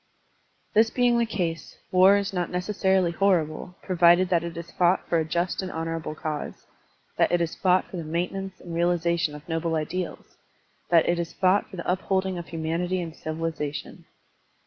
This being the case, war is not necessarily horrible, provided that it is fought for a just and honorable cause, that it is fought for the maintenance and realization of noble ideals, that it is fought for the upholding of humanity and civilization.